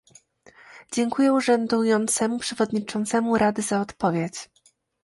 Dziękuję urzędującemu przewodniczącemu Rady za odpowiedź